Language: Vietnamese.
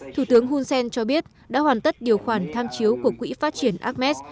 thủ tướng hunsen cho biết đã hoàn tất điều khoản tham chiếu của quỹ phát triển ames